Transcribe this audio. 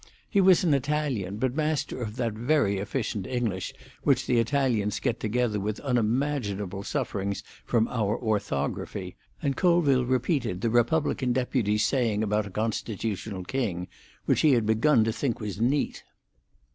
He was an Italian, but master of that very efficient English which the Italians get together with unimaginable sufferings from our orthography, and Colville repeated the republican deputy's saying about a constitutional king, which he had begun to think was neat.